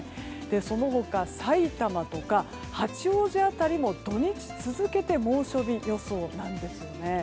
その他さいたまとか八王子辺りも土日続けて猛暑日予想なんですね。